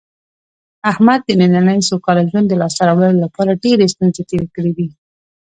احمد د نننۍ سوکاله ژوند د لاسته راوړلو لپاره ډېرې ستونزې تېرې کړې دي.